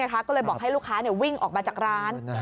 ก็เลยบอกให้ลูกค้าวิ่งออกมาจากร้าน